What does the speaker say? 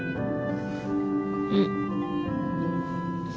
うん。